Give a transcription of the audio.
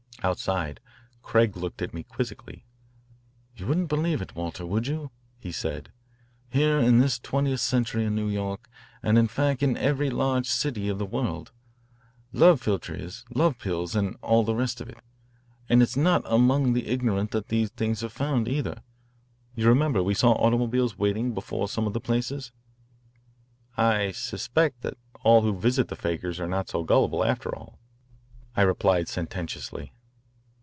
Outside Craig looked at me quizzically "You wouldn't believe it, Walter, would you?" he said. "Here in this twentieth century in New York, and in fact in every large city of the world love philtres, love pills, and all the rest of it. And it is not among the ignorant that these things are found, either. You remember we saw automobiles waiting before some of the places." "I suspect that all who visit the fakirs are not so gullible, after all," I replied sententiously.